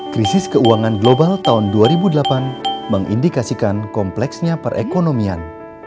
krisis keuangan global tahun dua ribu delapan mengindikasikan kompleksnya perekonomian